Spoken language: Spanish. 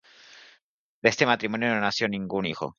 De este matrimonio no nació ningún hijo.